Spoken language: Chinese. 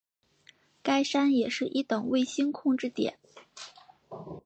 该山也是一等卫星控制点。